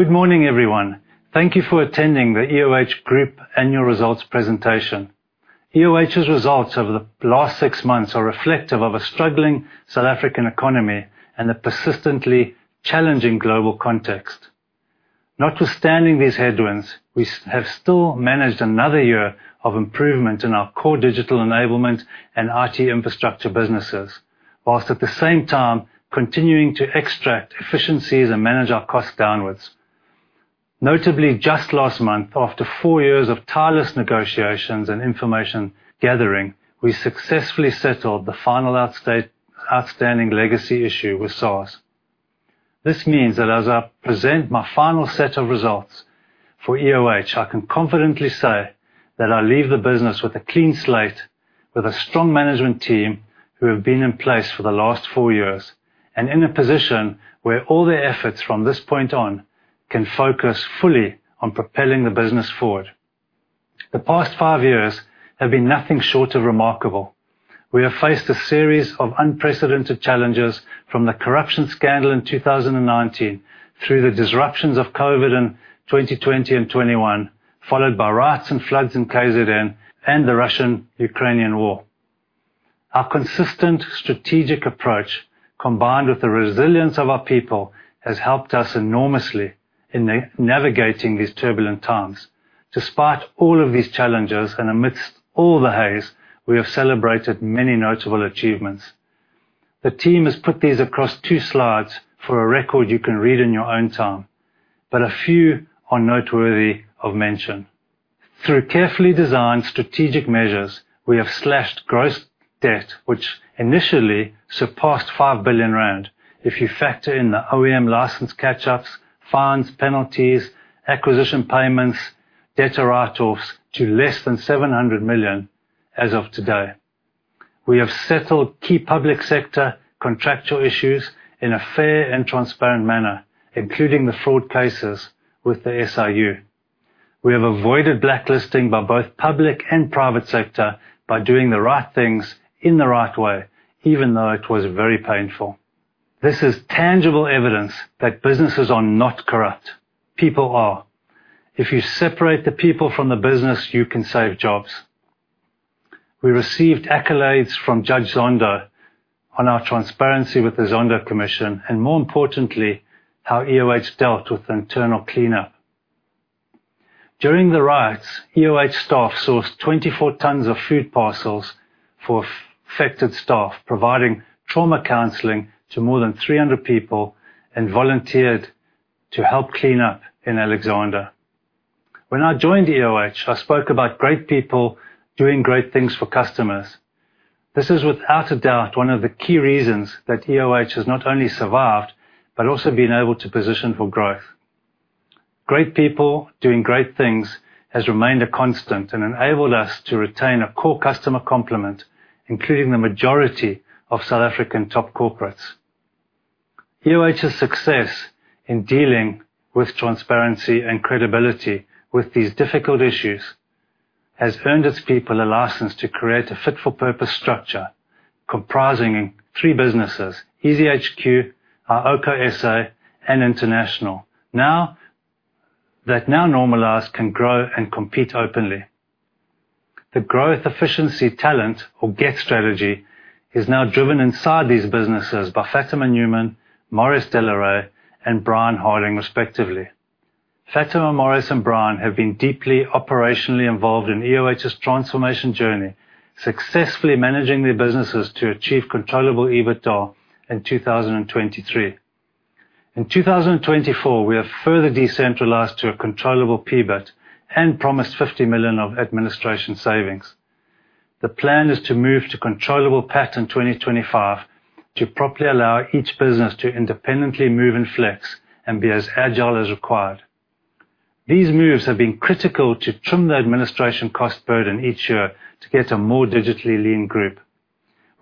Good morning, everyone. Thank you for attending the EOH Group annual results presentation. EOH's results over the last six months are reflective of a struggling South African economy and a persistently challenging global context. Notwithstanding these headwinds, we have still managed another year of improvement in our core digital enablement and IT infrastructure businesses, while at the same time, continuing to extract efficiencies and manage our costs downwards. Notably, just last month, after four years of tireless negotiations and information gathering, we successfully settled the final outstanding legacy issue with South African Revenue Service. This means that as I present my final set of results for EOH, I can confidently say that I leave the business with a clean slate, with a strong management team who have been in place for the last four years, and in a position where all their efforts from this point on can focus fully on propelling the business forward. The past five years have been nothing short of remarkable. We have faced a series of unprecedented challenges from the corruption scandal in 2019 through the disruptions of COVID in 2020 and 2021, followed by riots and floods in KwaZulu-Natal and the Russian-Ukrainian War. Our consistent strategic approach, combined with the resilience of our people, has helped us enormously in navigating these turbulent times. Despite all of these challenges and amidst all the haze, we have celebrated many notable achievements. The team has put these across two slides for a record you can read in your own time, but a few are noteworthy of mention. Through carefully designed strategic measures, we have slashed gross debt, which initially surpassed 5 billion rand, if you factor in the Original Equipment Manufacturer license catch-ups, fines, penalties, acquisition payments, debtor write-offs, to less than 700 million as of today. We have settled key public sector contractual issues in a fair and transparent manner, including the fraud cases with the Special Investigating Unit. We have avoided blacklisting by both public and private sector by doing the right things in the right way, even though it was very painful. This is tangible evidence that businesses are not corrupt, people are. If you separate the people from the business, you can save jobs. We received accolades from Judge Zondo on our transparency with the Zondo Commission and, more importantly, how EOH dealt with the internal cleanup. During the riots, EOH staff sourced 24 tons of food parcels for affected staff, providing trauma counseling to more than 300 people, and volunteered to help clean up in Alexandra. When I joined EOH, I spoke about great people doing great things for customers. This is without a doubt one of the key reasons that EOH has not only survived, but also been able to position for growth. Great people doing great things has remained a constant and enabled us to retain a core customer complement, including the majority of South African top corporates. iOCO's success in dealing with transparency and credibility with these difficult issues has earned its people a license to create a fit for purpose structure comprising three businesses, EasyHQ, iOCO SA, and iOCO International. Now that it is now normalized, it can grow and compete openly. The Growth Efficiency Talent or GET strategy is now driven inside these businesses by Fatima Newman, Marius de la Rey, and Brian Harding, respectively. Fatima, Marius, and Brian have been deeply operationally involved in iOCO's transformation journey, successfully managing their businesses to achieve controllable EBITDA in 2023. In 2024, we have further decentralized to a controllable Profit Before Interest and Taxes and promised 50 million of administration savings. The plan is to move to controllable Profit After Tax in 2025 to properly allow each business to independently move and flex and be as agile as required. These moves have been critical to trim the administration cost burden each year to get a more digitally lean group.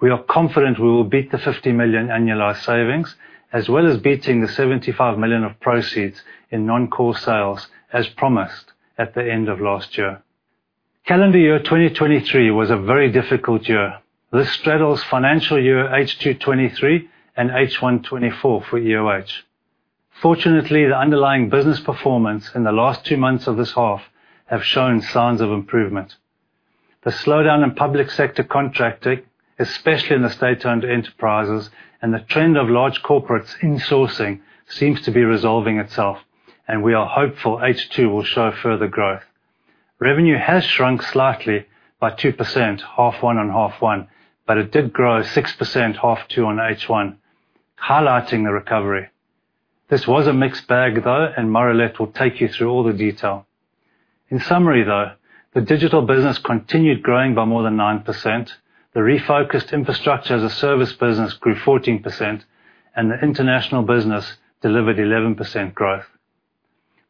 We are confident we will beat the 50 million annualized savings, as well as beating the 75 million of proceeds in non-core sales as promised at the end of last year. Calendar year 2023 was a very difficult year. This straddles financial year H2 2023 and H1 2024 for EOH. Fortunately, the underlying business performance in the last two months of this half have shown signs of improvement. The slowdown in public sector contracting, especially in the state-owned enterprises, and the trend of large corporates in-sourcing seems to be resolving itself, and we are hopeful H2 will show further growth. Revenue has shrunk slightly by 2%, H1 on H1, but it did grow 6% H2 on H1, highlighting the recovery. This was a mixed bag, though, and Marialet will take you through all the detail. In summary, though, the Digital Business continued growing by more than 9%. The refocused infrastructure as a Service Business grew 14%, and the International Business delivered 11% growth.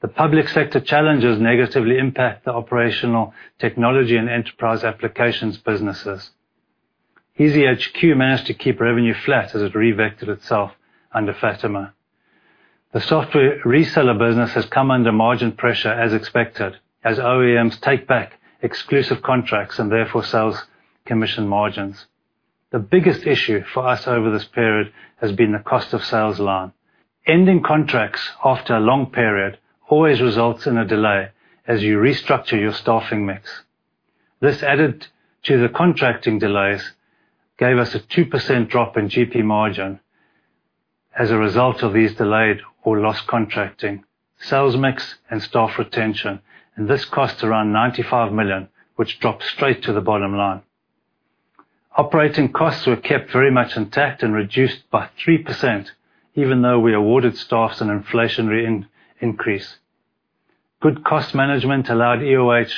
The public sector challenges negatively impact the Operational Technology and Enterprise Applications businesses. EasyHQ managed to keep revenue flat as it revectored itself under Fatima. The Software Reseller Business has come under margin pressure as expected, as OEMs take back exclusive contracts and therefore sales commission margins. The biggest issue for us over this period has been the cost of sales line. Ending contracts after a long period always results in a delay as you restructure your staffing mix. This added to the contracting delays, gave us a 2% drop in Gross Profit margin as a result of these delayed or lost contracting, sales mix and staff retention, and this cost around 95 million, which dropped straight to the bottom line. Operating costs were kept very much intact and reduced by 3%, even though we awarded staff an inflationary increase. Good cost management allowed EOH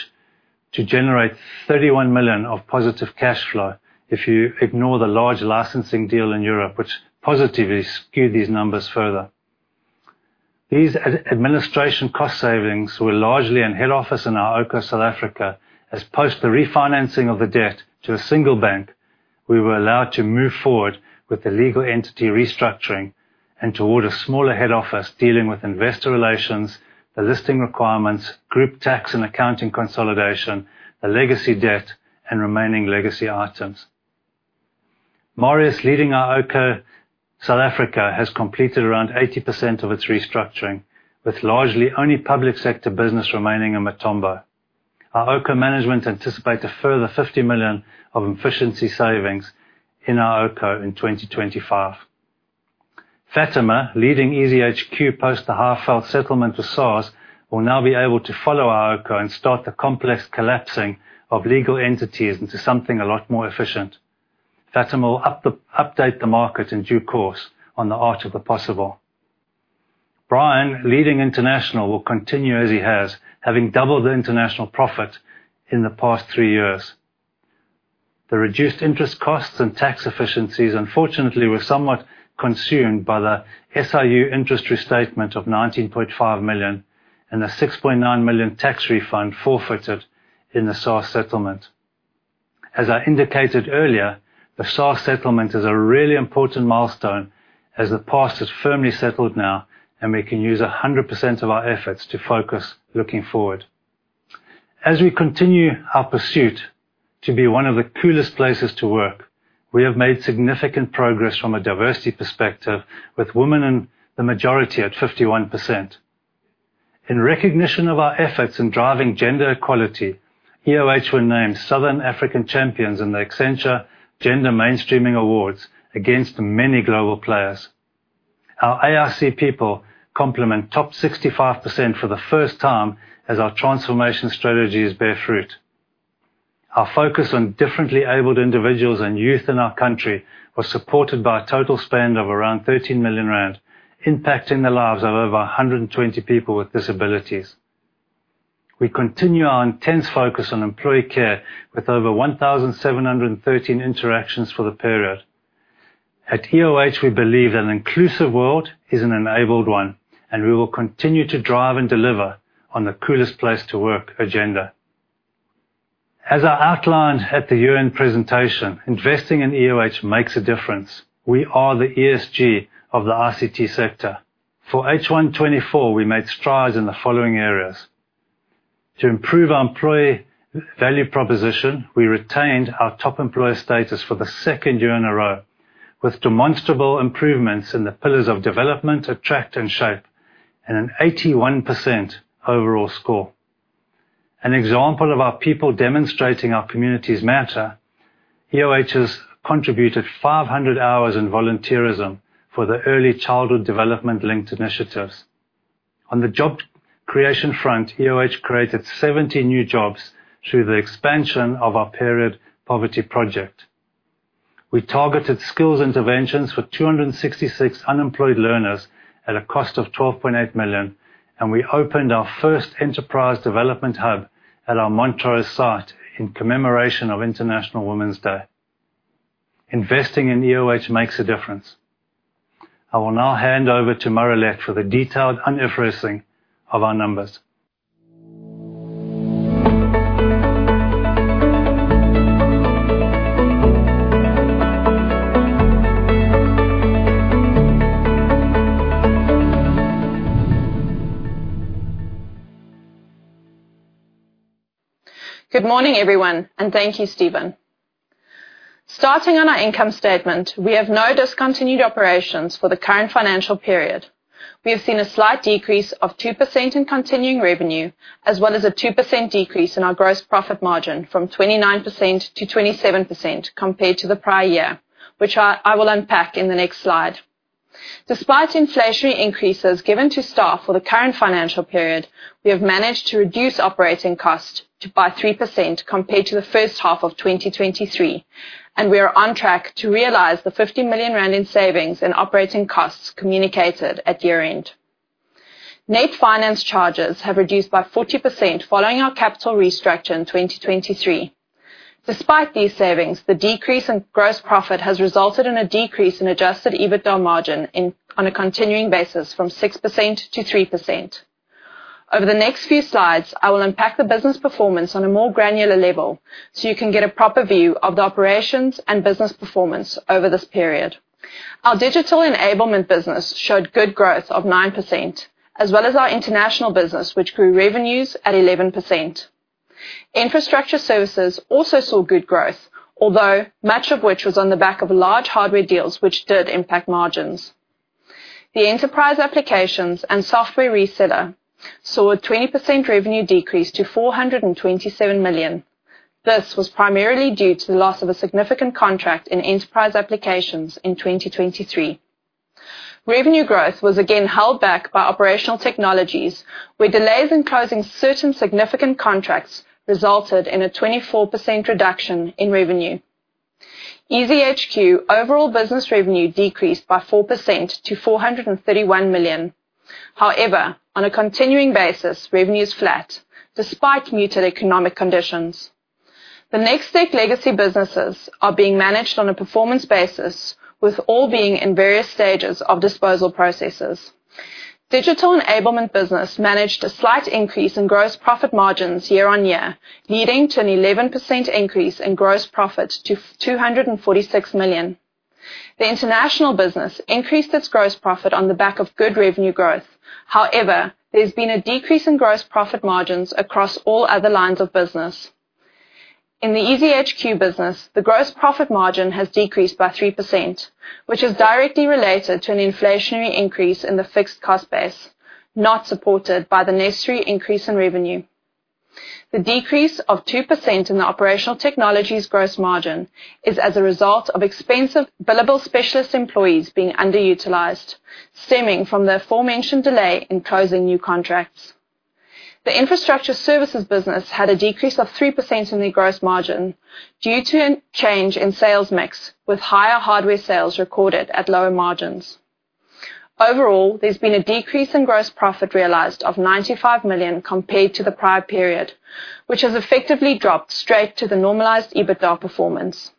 to generate 31 million of positive cash flow if you ignore the large licensing deal in Europe, which positively skewed these numbers further. These administration cost savings were largely in head office in our OpCo South Africa as post the refinancing of the debt to a single bank, we were allowed to move forward with the legal entity restructuring and toward a smaller head office dealing with investor relations, the listing requirements, group tax and accounting consolidation, the legacy debt and remaining legacy items. Marius, leading our OpCo South Africa, has completed around 80% of its restructuring, with largely only public sector business remaining in Mthombo. Our OpCo management anticipate a further 50 million of efficiency savings in our OpCo in 2025. Fatima, leading EasyHQ post the heartfelt settlement with SARS, will now be able to follow our OpCo and start the complex collapsing of legal entities into something a lot more efficient. Fatima will update the market in due course on the art of the possible. Brian, leading international, will continue as he has, having doubled the international profit in the past three years. The reduced interest costs and tax efficiencies, unfortunately, were somewhat consumed by the SIU interest restatement of 19.5 million and the 6.9 million tax refund forfeited in the SARS settlement. As I indicated earlier, the SARS settlement is a really important milestone as the past is firmly settled now, and we can use 100% of our efforts to focus looking forward. As we continue our pursuit to be one of the coolest places to work, we have made significant progress from a diversity perspective with women in the majority at 51%. In recognition of our efforts in driving gender equality, iOCO were named Southern Africa Gender Mainstreaming Champion in the Accenture Gender Mainstreaming Awards against many global players. Our Asian, Indian, and Coloured people complement top 65% for the first time as our transformation strategies bear fruit. Our focus on differently abled individuals and youth in our country was supported by a total spend of around 13 million rand, impacting the lives of over 120 people with disabilities. We continue our intense focus on employee care with over 1,713 interactions for the period. At EOH, we believe an inclusive world is an enabled one, and we will continue to drive and deliver on the coolest place to work agenda. As I outlined at the year-end presentation, investing in EOH makes a difference. We are the Environmental, Social, and Governance of the Information and Communications Technology sector. For H1 2024, we made strides in the following areas. To improve our employee value proposition, we retained our top employer status for the second year in a row with demonstrable improvements in the pillars of development, attract, and shape, and an 81% overall score. An example of our people demonstrating our communities matter, iOCO has contributed 500 hours in volunteerism for the early childhood development-linked initiatives. On the job creation front, iOCO created 70 new jobs through the expansion of our period poverty project. We targeted skills interventions for 266 unemployed learners at a cost of 12.8 million, and we opened our first enterprise development hub at our Montrose site in commemoration of International Women's Day. Investing in iOCO makes a difference. I will now hand over to Marialet for the detailed un-IFRSing of our numbers. Good morning, everyone, and thank you, Stephen. Starting on our income statement, we have no discontinued operations for the current financial period. We have seen a slight decrease of 2% in continuing revenue as well as a 2% decrease in our gross profit margin from 29% to 27% compared to the prior year, which I will unpack in the next slide. Despite inflationary increases given to staff for the current financial period, we have managed to reduce operating cost by 3% compared to the first half of 2023, and we are on track to realize the 50 million rand in savings and operating costs communicated at year-end. Net finance charges have reduced by 40% following our capital restructure in 2023. Despite these savings, the decrease in gross profit has resulted in a decrease in Adjusted EBITDA margin on a continuing basis from 6% to 3%. Over the next few slides, I will unpack the business performance on a more granular level so you can get a proper view of the operations and business performance over this period. Our Digital Enablement Business showed good growth of 9%, as well as our International Business, which grew revenues at 11%. Infrastructure services also saw good growth, although much of which was on the back of large hardware deals, which did impact margins. The Enterprise Applications and Software Reseller saw a 20% revenue decrease to 427 million. This was primarily due to the loss of a significant contract in Enterprise Applications in 2023. Revenue growth was again held back by operational technologies, where delays in closing certain significant contracts resulted in a 24% reduction in revenue. EasyHQ overall business revenue decreased by 4% to 431 million. However, on a continuing basis, revenue is flat despite muted economic conditions. The Nextec legacy businesses are being managed on a performance basis, with all being in various stages of disposal processes. Digital Enablement Business managed a slight increase in gross profit margins year-on-year, leading to an 11% increase in gross profit to 246 million. The international business increased its gross profit on the back of good revenue growth. However, there's been a decrease in gross profit margins across all other lines of business. In the EasyHQ Business, the gross profit margin has decreased by 3%, which is directly related to an inflationary increase in the fixed cost base, not supported by the necessary increase in revenue. The decrease of 2% in the operational technologies gross margin is as a result of expensive billable specialist employees being underutilized, stemming from the aforementioned delay in closing new contracts. The Infrastructure Services Business had a decrease of 3% in the gross margin due to a change in sales mix, with higher hardware sales recorded at lower margins. Overall, there's been a decrease in gross profit realized of 95 million compared to the prior period, which has effectively dropped straight to the normalized EBITDA performance.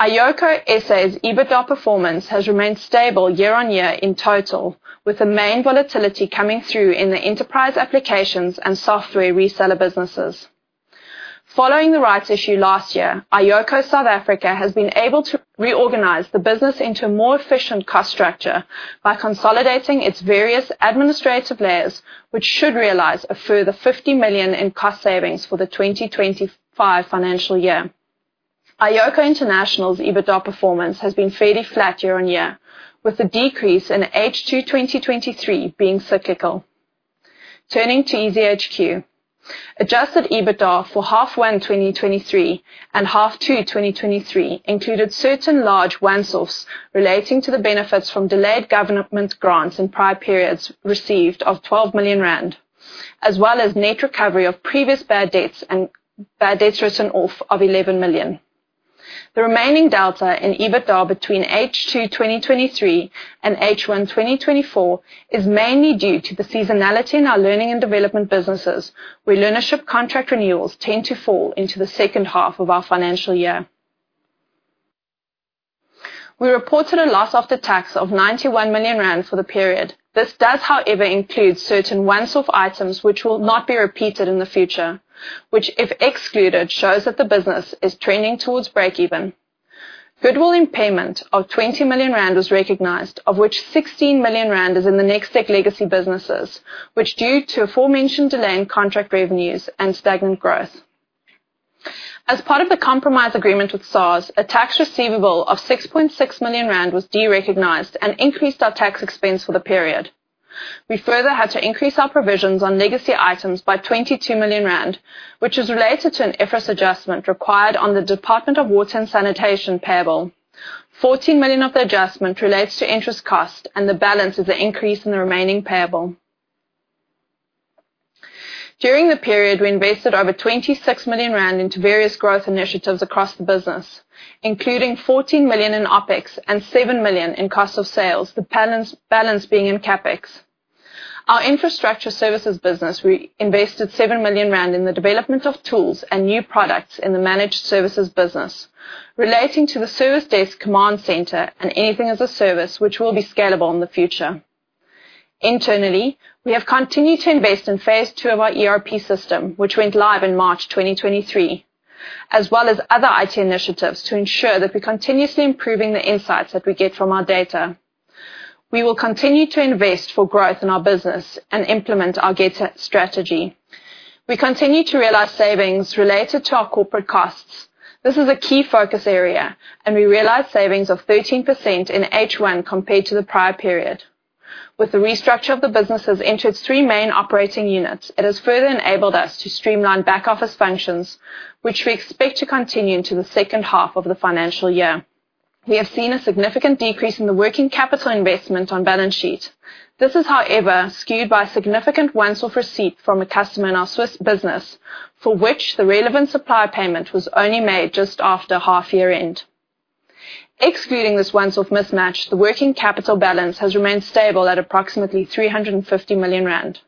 iOCO SA's EBITDA performance has remained stable year-on-year in total, with the main volatility coming through in the Enterprise Applications and Software Reseller Businesses. Following the rights issue last year, iOCO South Africa has been able to reorganize the business into a more efficient cost structure by consolidating its various administrative layers, which should realize a further 50 million in cost savings for the 2025 financial year. iOCO International's EBITDA performance has been fairly flat year-on-year, with the decrease in H2 2023 being cyclical. Turning to EasyHQ. Adjusted EBITDA for H1 2023 and H2 2023 included certain large once-offs relating to the benefits from delayed government grants in prior periods received of 12 million rand, as well as net recovery of previous bad debts and bad debts written off of 11 million. The remaining delta in EBITDA between H2 2023 and H1 2024 is mainly due to the seasonality in our Learning and Development Businesses, where learnership contract renewals tend to fall into the second half of our financial year. We reported a loss after tax of 91 million rand for the period. This does, however, include certain once-off items which will not be repeated in the future, which if excluded, shows that the business is trending towards break even. Goodwill impairment of 20 million rand was recognized, of which 16 million rand is in the Nextec legacy businesses, which is due to the aforementioned delay in contract revenues and stagnant growth. As part of the compromise agreement with SARS, a tax receivable of 6.6 million rand was derecognized and increased our tax expense for the period. We further had to increase our provisions on legacy items by 22 million rand, which was related to an IFRS adjustment required on the Department of Water and Sanitation payable. 14 million of the adjustment relates to interest cost and the balance is an increase in the remaining payable. During the period, we invested over 26 million rand into various growth initiatives across the business, including 14 million in OpEx and 7 million in cost of sales, the balance being in CapEx. In our Infrastructure Services Business, we invested 7 million rand in the development of tools and new products in the managed services business relating to the Service Desk Command Center and the Anything-as-a-Service which will be scalable in the future. Internally, we have continued to invest in phase II of our Enterprise Resource Planning system, which went live in March 2023, as well as other IT initiatives to ensure that we're continuously improving the insights that we get from our data. We will continue to invest for growth in our business and implement our GET strategy. We continue to realize savings related to our corporate costs. This is a key focus area and we realize savings of 13% in H1 compared to the prior period. With the restructure of the businesses into its three main operating units, it has further enabled us to streamline back-office functions, which we expect to continue into the second half of the financial year. We have seen a significant decrease in the working capital investment on balance sheet. This is, however, skewed by a significant once-off receipt from a customer in our Swiss business, for which the relevant supply payment was only made just after half-year end. Excluding this once-off mismatch, the working capital balance has remained stable at approximately 350 million rand.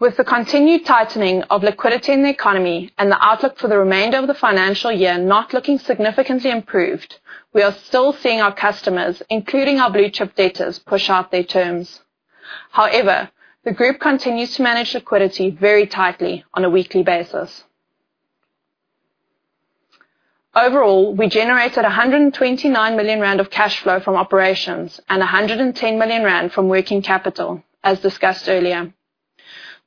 With the continued tightening of liquidity in the economy and the outlook for the remainder of the financial year not looking significantly improved, we are still seeing our customers, including our blue-chip debtors, push out their terms. However, the group continues to manage liquidity very tightly on a weekly basis. Overall, we generated 129 million rand of cash flow from operations and 110 million rand from working capital, as discussed earlier.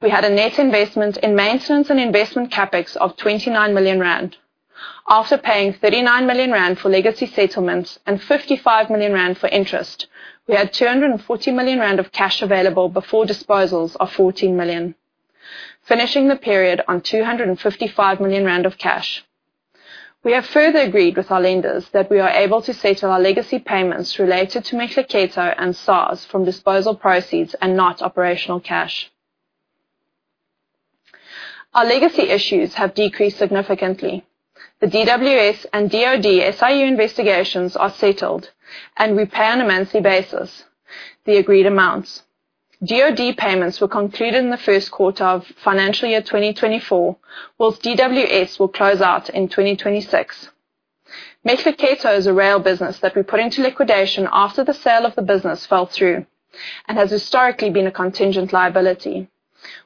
We had a net investment in maintenance and investment CapEx of 29 million rand. After paying 39 million rand for legacy settlements and 55 million rand for interest, we had 240 million rand of cash available before disposals of 14 million, finishing the period on 255 million rand of cash. We have further agreed with our lenders that we are able to settle our legacy payments related to Mthombo and SARS from disposal proceeds and not operational cash. Our legacy issues have decreased significantly. The DWS and Department of Defence SIU investigations are settled, and we pay on a monthly basis the agreed amounts. DoD payments were concluded in the first quarter of financial year 2024, whilst DWS will close out in 2026. Mthombo is a rail business that we put into liquidation after the sale of the business fell through, and has historically been a contingent liability.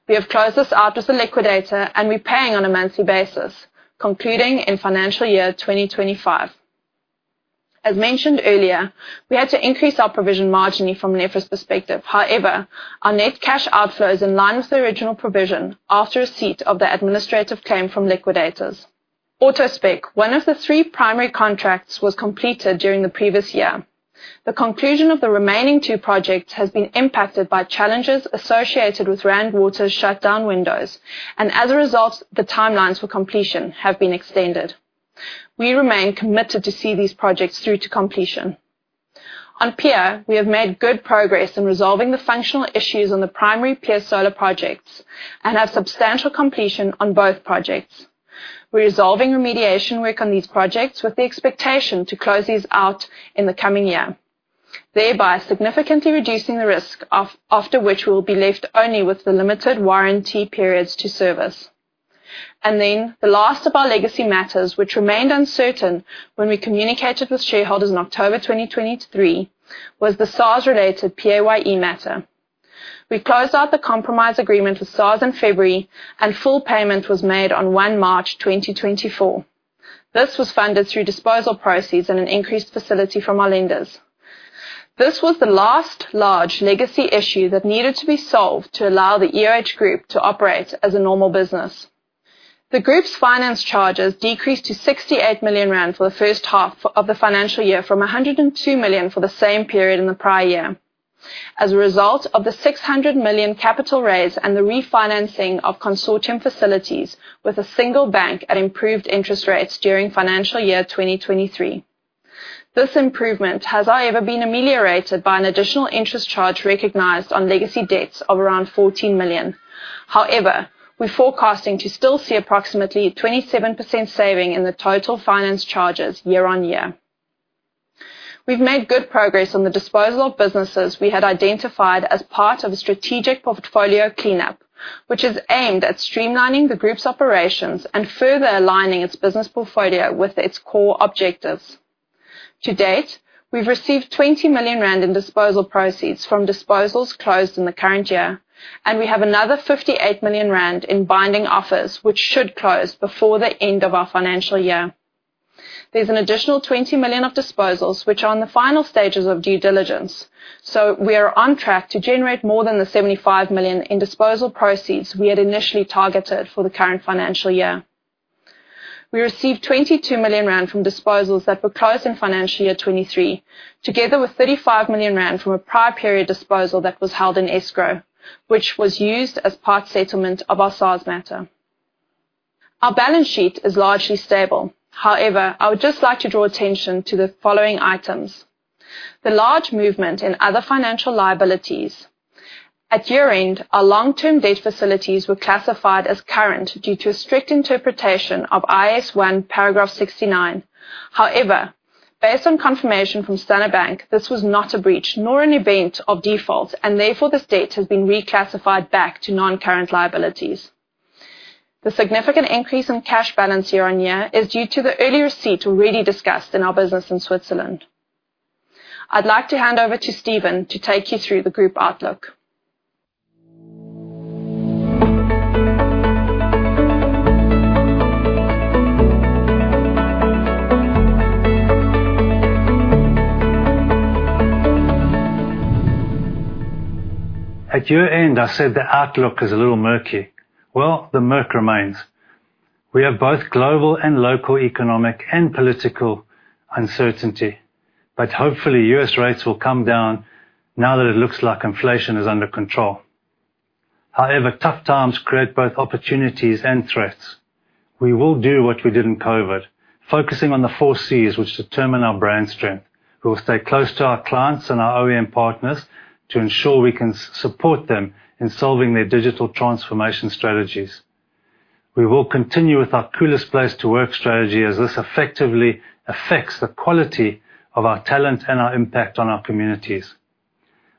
We have closed this out with the liquidator and we're paying on a monthly basis, concluding in financial year 2025. As mentioned earlier, we had to increase our provision marginally from Nefra's perspective. However, our net cash outflow is in line with the original provision after receipt of the administrative claim from liquidators. AutoSpec, one of the three primary contracts, was completed during the previous year. The conclusion of the remaining two projects has been impacted by challenges associated with Rand Water's shutdown windows, and as a result, the timelines for completion have been extended. We remain committed to see these projects through to completion. On PEER, we have made good progress in resolving the functional issues on the primary PEER solar projects and have substantial completion on both projects. We're resolving remediation work on these projects with the expectation to close these out in the coming year, thereby significantly reducing the risk, after which we will be left only with the limited warranty periods to service. Then the last of our legacy matters, which remained uncertain when we communicated with shareholders in October 2023, was the SARS-related Pay As You Earn matter. We closed out the compromise agreement with SARS in February, and full payment was made on 1 March 2024. This was funded through disposal proceeds and an increased facility from our lenders. This was the last large legacy issue that needed to be solved to allow the EOH Group to operate as a normal business. The group's finance charges decreased to 68 million rand for the first half of the financial year from 102 million for the same period in the prior year. As a result of the 600 million capital raise and the refinancing of consortium facilities with a single bank at improved interest rates during financial year 2023. This improvement has, however, been ameliorated by an additional interest charge recognized on legacy debts of around 14 million. However, we're forecasting to still see approximately 27% saving in the total finance charges year-on-year. We've made good progress on the disposal of businesses we had identified as part of a strategic portfolio cleanup, which is aimed at streamlining the group's operations and further aligning its business portfolio with its core objectives. To date, we've received 20 million rand in disposal proceeds from disposals closed in the current year, and we have another 58 million rand in binding offers, which should close before the end of our financial year. There's an additional 20 million of disposals which are in the final stages of due diligence, so we are on track to generate more than the 75 million in disposal proceeds we had initially targeted for the current financial year. We received 22 million rand from disposals that were closed in financial year 2023, together with 35 million rand from a prior period disposal that was held in escrow, which was used as part settlement of our SARS matter. Our balance sheet is largely stable. However, I would just like to draw attention to the following items, the large movement in other financial liabilities. At year-end, our long-term debt facilities were classified as current due to a strict interpretation of IAS 1, paragraph 69. However, based on confirmation from Standard Bank, this was not a breach nor an event of default, and therefore, this debt has been reclassified back to non-current liabilities. The significant increase in cash balance year-on-year is due to the early receipt already discussed in our business in Switzerland. I'd like to hand over to Stephen to take you through the group outlook. At year-end, I said the outlook is a little murky. Well, the murk remains. We have both global and local economic and political uncertainty, but hopefully, U.S. rates will come down now that it looks like inflation is under control. However, tough times create both opportunities and threats. We will do what we did in COVID, focusing on the four C's which determine our brand strength. We will stay close to our clients and our OEM partners to ensure we can support them in solving their digital transformation strategies. We will continue with our coolest place to work strategy as this effectively affects the quality of our talent and our impact on our communities.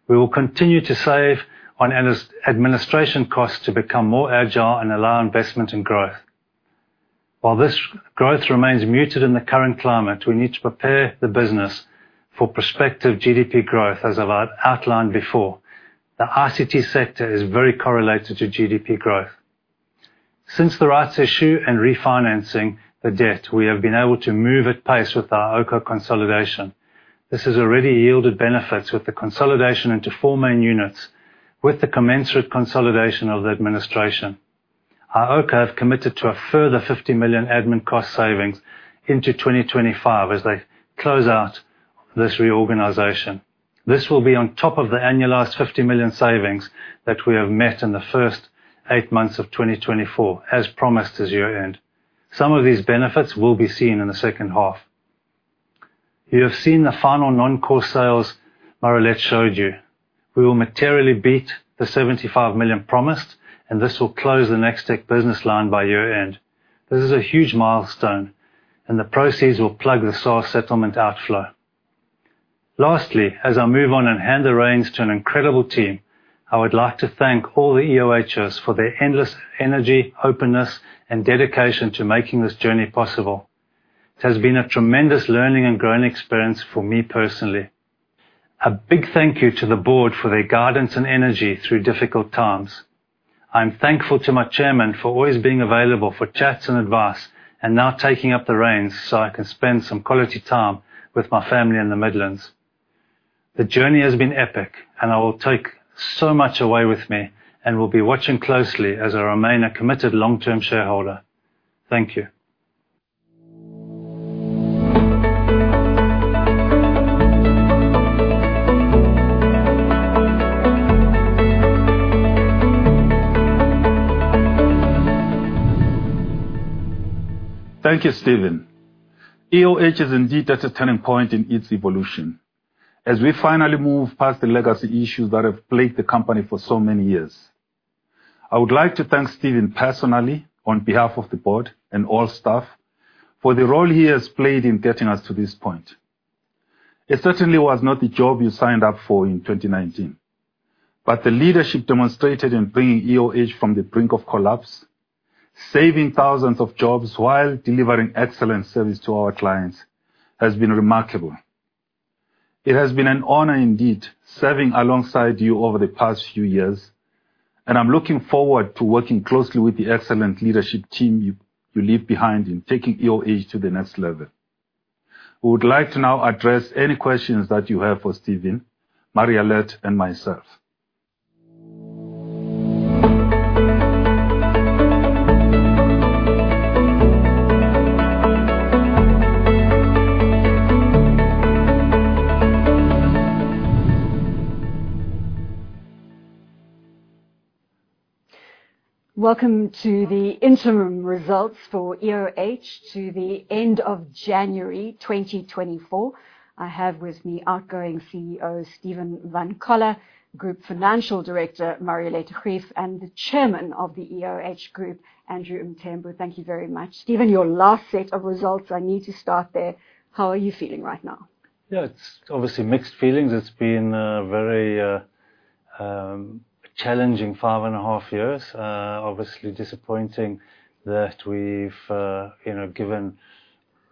We will continue to save on non-administration costs to become more agile and allow investment in growth. While this growth remains muted in the current climate, we need to prepare the business for prospective Gross Domestic Product growth. As I've outlined before, the ICT sector is very correlated to GDP growth. Since the rights issue and refinancing the debt, we have been able to move at pace with our iOCO consolidation. This has already yielded benefits with the consolidation into four main units, with the commensurate consolidation of the administration. iOCO have committed to a further 50 million admin cost savings into 2025 as they close out this reorganization. This will be on top of the annualized 50 million savings that we have met in the first eight months of 2024, as promised at year-end. Some of these benefits will be seen in the second half. You have seen the final non-core sales Marialet showed you. We will materially beat the 75 million promised, and this will close the Nextec business line by year-end. This is a huge milestone, and the proceeds will plug the SARS settlement outflow. Lastly, as I move on and hand the reins to an incredible team, I would like to thank all the EOHs for their endless energy, openness, and dedication to making this journey possible. It has been a tremendous learning and growing experience for me personally. A big thank you to the board for their guidance and energy through difficult times. I'm thankful to my chairman for always being available for chats and advice, and now taking up the reins so I can spend some quality time with my family in the Midlands. The journey has been epic, and I will take so much away with me and will be watching closely as I remain a committed long-term shareholder. Thank you. Thank you, Stephen. EOH is indeed at a turning point in its evolution as we finally move past the legacy issues that have plagued the company for so many years. I would like to thank Stephen personally on behalf of the board and all staff for the role he has played in getting us to this point. It certainly was not the job you signed up for in 2019, but the leadership demonstrated in bringing EOH from the brink of collapse, saving thousands of jobs while delivering excellent service to our clients, has been remarkable. It has been an honor indeed, serving alongside you over the past few years, and I'm looking forward to working closely with the excellent leadership team you leave behind in taking EOH to the next level. We would like to now address any questions that you have for Stephen, Marialet and myself. Welcome to the interim results for iOCO to the end of January 2024. I have with me outgoing CEO, Stephen van Coller, Group Financial Director, Marialet Greeff, and the Chairman of the iOCO, Andrew Mthembu. Thank you very much. Stephen, your last set of results, I need to start there. How are you feeling right now? Yeah, it's obviously mixed feelings. It's been a very challenging 5.5 years. Obviously disappointing that we've you know given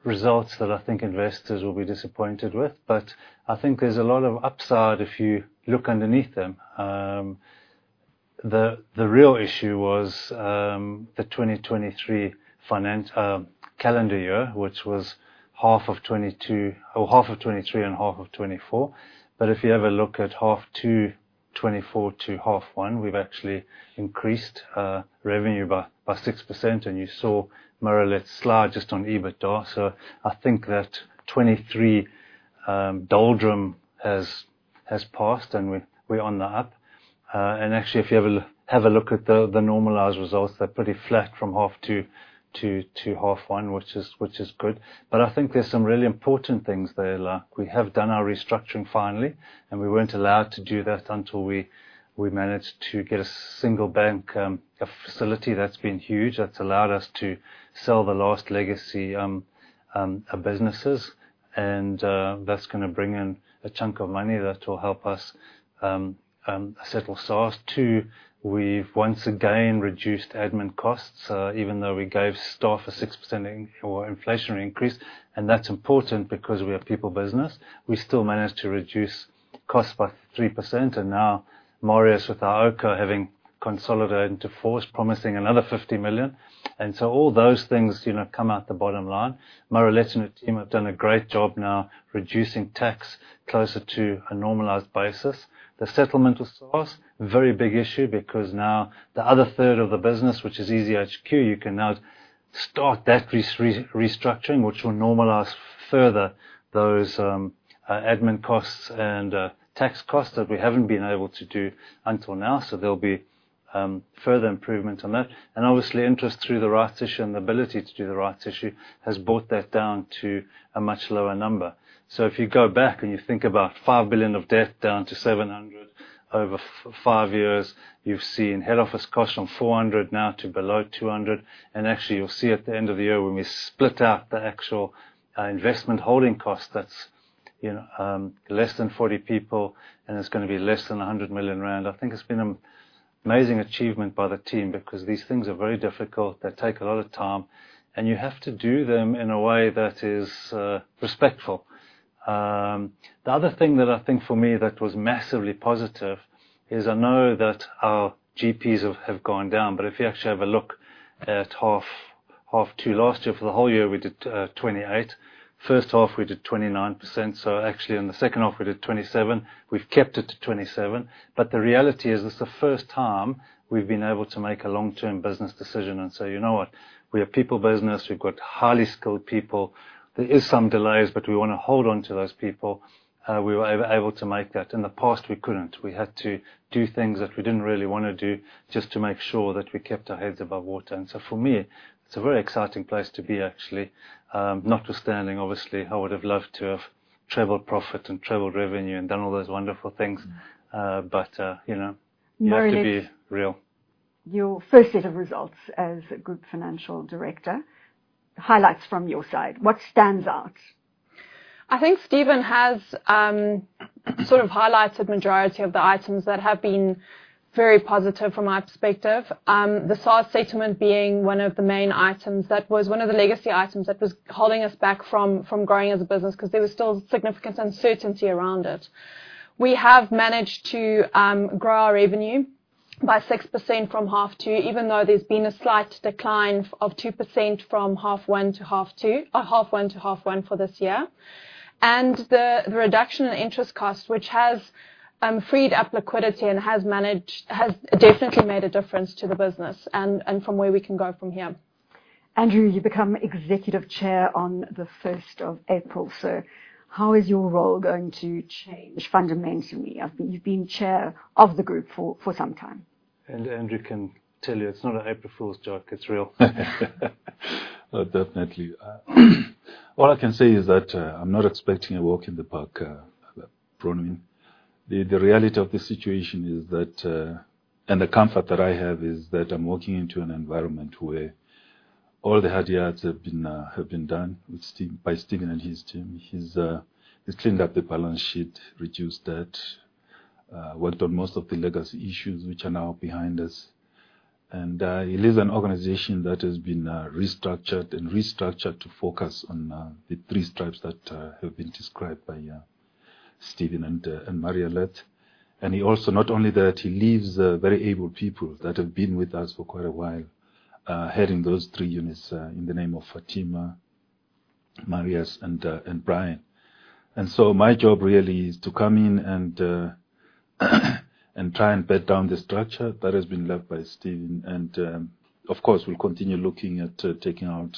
results that I think investors will be disappointed with. I think there's a lot of upside if you look underneath them. The real issue was the 2023 financial calendar year, which was half of 2023 and half of 2024. If you have a look at half two 2024 to half one, we've actually increased revenue by 6%, and you saw Marialet's slide just on EBITDA. I think that 2023 doldrums has passed, and we're on the up. Actually, if you have a look at the normalized results, they're pretty flat from H2 to H1, which is good. I think there's some really important things there. Like we have done our restructuring finally, and we weren't allowed to do that until we managed to get a single bank facility. That's been huge. That's allowed us to sell the last legacy businesses, and that's gonna bring in a chunk of money that will help us settle SARS. Two, we've once again reduced admin costs, even though we gave staff a 6% inflationary increase, and that's important because we're a people business. We still managed to reduce costs by 3%, and now Marius with iOCO having consolidated into force, promising another 50 million. All those things, you know, come out the bottom line. Marialet and her team have done a great job now reducing tax closer to a normalized basis. The settlement with SARS, very big issue because now the other third of the business, which is EasyHQ, you can now start that restructuring, which will normalize further those admin costs and tax costs that we haven't been able to do until now. There'll be further improvement on that. And obviously, interest through the rights issue and the ability to do the rights issue has brought that down to a much lower number. If you go back and you think about 5 billion of debt down to 700 million over five years, you've seen head office costs from 400 million now to below 200 million. Actually, you'll see at the end of the year when we split out the actual investment holding cost that's, you know, less than 40 people, and it's gonna be less than 100 million rand. I think it's been amazing achievement by the team because these things are very difficult. They take a lot of time, and you have to do them in a way that is respectful. The other thing that I think for me that was massively positive is I know that our GPs have gone down, but if you actually have a look at half two last year for the whole year, we did 28%. First half, we did 29%. Actually in the second half, we did 27%. We've kept it to 27%. The reality is it's the first time we've been able to make a long-term business decision and say, "You know what? We're a people business. We've got highly skilled people. There is some delays, but we wanna hold on to those people." We were able to make that. In the past, we couldn't. We had to do things that we didn't really wanna do just to make sure that we kept our heads above water. For me, it's a very exciting place to be actually, notwithstanding, obviously, I would have loved to have delivered profit and delivered revenue and done all those wonderful things. You know, you have to be real. Marialet, your first set of results as Group Financial Director. Highlights from your side. What stands out? I think Stephen has sort of highlighted majority of the items that have been very positive from my perspective. The SARS settlement being one of the main items. That was one of the legacy items that was holding us back from growing as a business because there was still significant uncertainty around it. We have managed to grow our revenue by 6% from half two, even though there's been a slight decline of 2% from half one to half two for this year. The reduction in interest cost, which has freed up liquidity and has definitely made a difference to the business and from where we can go from here. Andrew, you become Executive Chair on the 1st of April. How is your role going to change fundamentally? I think you've been chair of the group for some time. Andrew can tell you, it's not an April Fool's joke, it's real. Oh, definitely. All I can say is that I'm not expecting a walk in the park coming in. The reality of the situation is that, and the comfort that I have is that I'm walking into an environment where all the hard yards have been done by Stephen and his team. He's cleaned up the balance sheet, reduced debt, worked on most of the legacy issues which are now behind us. He leaves an organization that has been restructured to focus on the three stripes that have been described by Stephen and Marialet. He also, not only that, he leaves very able people that have been with us for quite a while heading those three units in the name of Fatima, Marius, and Brian. My job really is to come in and try and bed down the structure that has been left by Stephen. Of course, we'll continue looking at taking out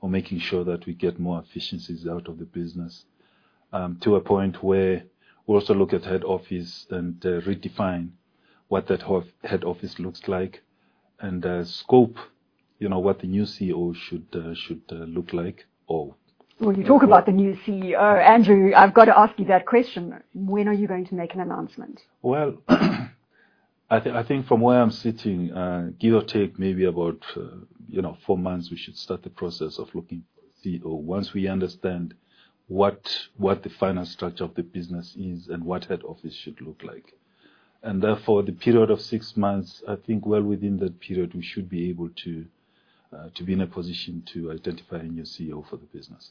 or making sure that we get more efficiencies out of the business to a point where we also look at head office and redefine what that whole head office looks like and scope, you know, what the new CEO should look like. Well, you talk about the new CEO. Andrew, I've got to ask you that question. When are you going to make an announcement? Well, I think from where I'm sitting, give or take maybe about, you know, four months, we should start the process of looking CEO. Once we understand what the final structure of the business is and what head office should look like. Therefore, the period of six months, I think well within that period, we should be able to be in a position to identify a new CEO for the business.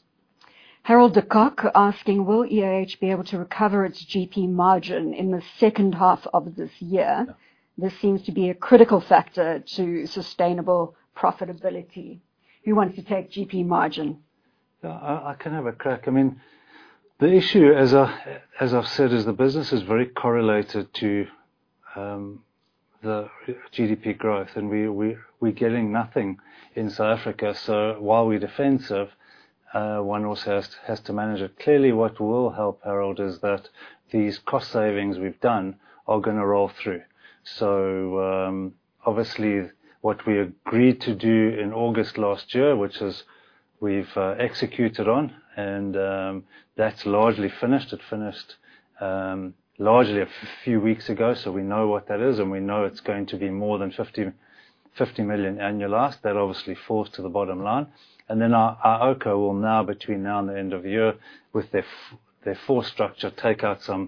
Harold de Kock asking, "Will EOH be able to recover its GP margin in the second half of this year? This seems to be a critical factor to sustainable profitability." Who wants to take GP margin? Yeah. I can have a crack. I mean, the issue, as I've said, is the business is very correlated to the GDP growth, and we're getting nothing in South Africa. While we're defensive, one also has to manage it. Clearly, what will help Harold is that these cost savings we've done are gonna roll through. Obviously, what we agreed to do in August last year, which we've executed on, and that's largely finished. It finished largely a few weeks ago, so we know what that is, and we know it's going to be more than 50 million annualized. That obviously falls to the bottom line. Our iOCO will now, between now and the end of the year, with their full structure, take out some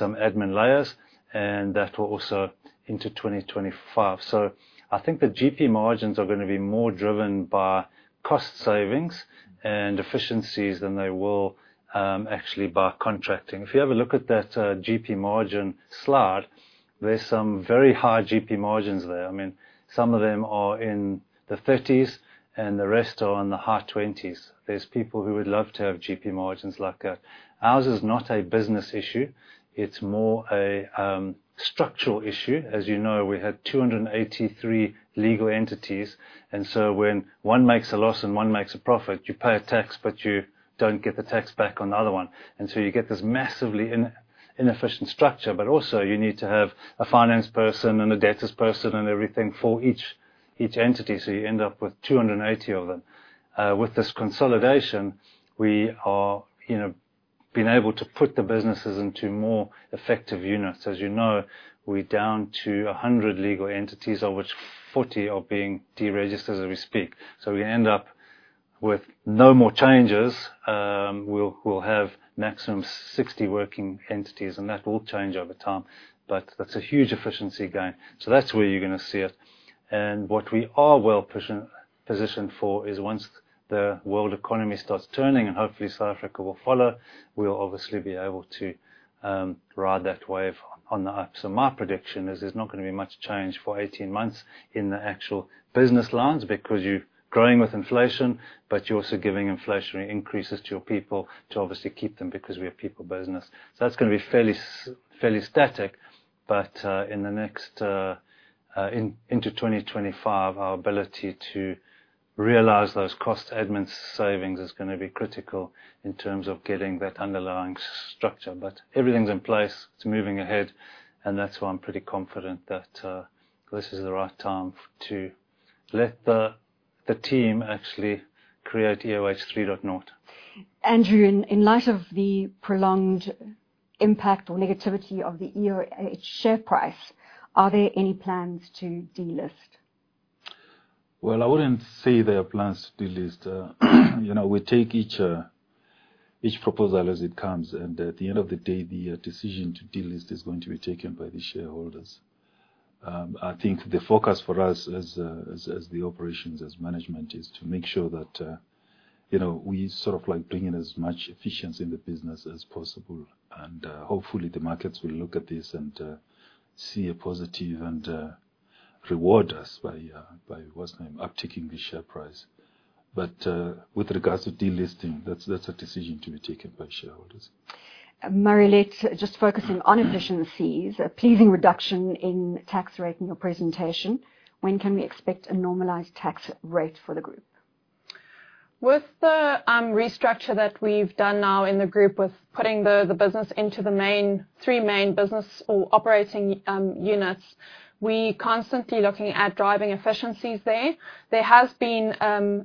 admin layers, and that will also into 2025. I think the GP margins are gonna be more driven by cost savings and efficiencies than they will actually by contracting. If you have a look at that GP margin slide, there's some very high GP margins there. I mean, some of them are in the 30s, and the rest are on the high 20s. There's people who would love to have GP margins like that. Ours is not a business issue. It's more a structural issue. As you know, we had 283 legal entities. When one makes a loss and one makes a profit, you pay a tax, but you don't get the tax back on the other one. You get this massively inefficient structure. Also you need to have a finance person and a debtors person and everything for each entity, so you end up with 280 of them. With this consolidation, we have been able to put the businesses into more effective units. As you know, we're down to 100 legal entities, of which 40 are being deregistered as we speak. We end up with no more changes, we'll have maximum 60 working entities, and that will change over time. That's a huge efficiency gain. That's where you're gonna see it. What we are well positioned for is once the world economy starts turning, and hopefully South Africa will follow, we'll obviously be able to ride that wave on the up. My prediction is there's not gonna be much change for 18 months in the actual business lines because you're growing with inflation, but you're also giving inflationary increases to your people to obviously keep them because we're a people business. That's gonna be fairly static, but in the next into 2025, our ability to realize those cost and admin savings is gonna be critical in terms of getting that underlying structure. Everything's in place. It's moving ahead, and that's why I'm pretty confident that this is the right time to let the team actually create EOH 3.0. Andrew, in light of the prolonged impact or negativity of the EOH share price, are there any plans to delist? Well, I wouldn't say there are plans to delist. You know, we take each proposal as it comes, and at the end of the day, the decision to delist is going to be taken by the shareholders. I think the focus for us as the operations, as management, is to make sure that you know, we sort of like bring in as much efficiency in the business as possible. Hopefully, the markets will look at this and see a positive and reward us by what's name? Upticking the share price. With regards to delisting, that's a decision to be taken by shareholders. Marialet, just focusing on efficiencies, a pleasing reduction in tax rate in your presentation. When can we expect a normalized tax rate for the group? With the restructure that we've done now in the group with putting the business into the three main business or operating units, we're constantly looking at driving efficiencies there. There has been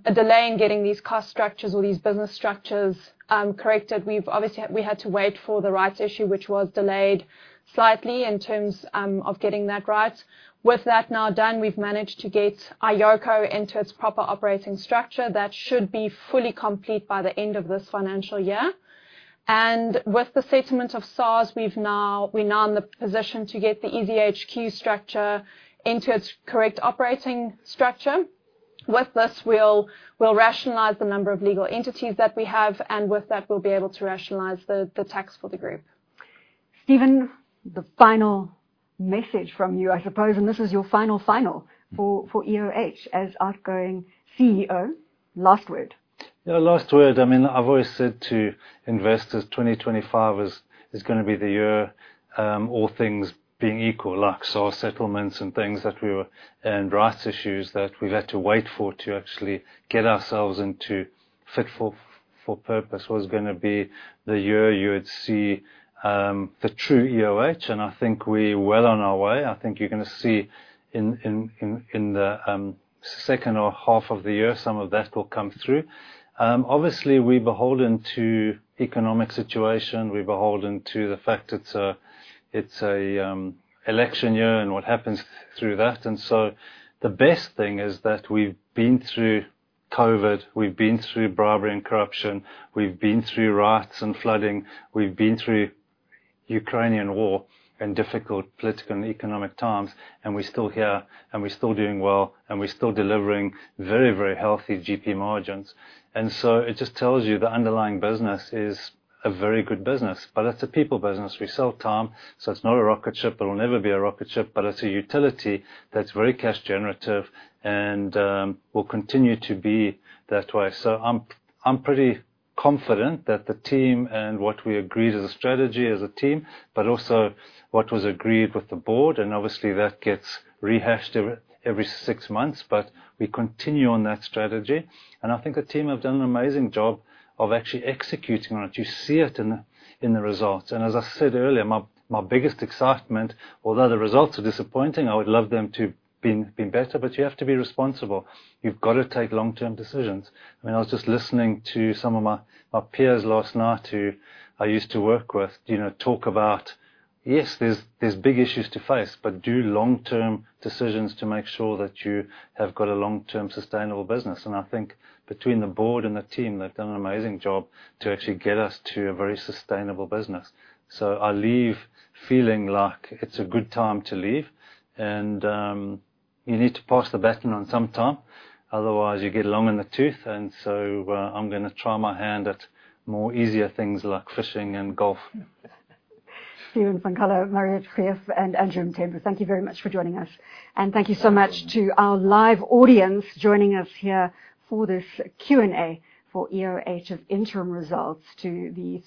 a delay in getting these cost structures or these business structures corrected. We've obviously had to wait for the rights issue, which was delayed slightly in terms of getting that right. With that now done, we've managed to get iOCO into its proper operating structure. That should be fully complete by the end of this financial year. With the settlement of SARS, we're now in the position to get the EasyHQ structure into its correct operating structure. With this, we'll rationalize the number of legal entities that we have. With that, we'll be able to rationalize the tax for the group. Stephen, the final message from you, I suppose, and this is your final for EOH as outgoing CEO. Last word. Yeah, last word. I mean, I've always said to investors, 2025 is gonna be the year, all things being equal, like SARS settlements and rights issues that we've had to wait for to actually get ourselves into fit for purpose, was gonna be the year you would see the true EOH. I think we're well on our way. I think you're gonna see in the second half of the year, some of that will come through. Obviously, we're beholden to economic situation. We're beholden to the fact it's a election year and what happens through that. The best thing is that we've been through COVID, we've been through bribery and corruption, we've been through riots and flooding, we've been through Ukrainian war and difficult political and economic times, and we're still here, and we're still doing well, and we're still delivering very, very healthy GP margins. It just tells you the underlying business is a very good business. It's a people business. We sell time, so it's not a rocket ship. It'll never be a rocket ship, but it's a utility that's very cash generative and will continue to be that way. I'm pretty confident that the team and what we agreed as a strategy as a team, but also what was agreed with the board, and obviously that gets rehashed every six months, but we continue on that strategy. I think the team have done an amazing job of actually executing on it. You see it in the results. As I said earlier, my biggest excitement, although the results are disappointing, I would love them to been better, but you have to be responsible. You've got to take long-term decisions. I mean, I was just listening to some of my peers last night who I used to work with, you know, talk about, yes, there's big issues to face, but do long-term decisions to make sure that you have got a long-term sustainable business. I think between the board and the team, they've done an amazing job to actually get us to a very sustainable business. I leave feeling like it's a good time to leave. You need to pass the baton on sometime. Otherwise, you get long in the tooth. I'm gonna try my hand at more easier things like fishing and golf. Stephen van Coller, Marialet Greeff, and Andrew Mthembu, thank you very much for joining us. Thank you so much to our live audience joining us here for this Q&A for EOH's interim results.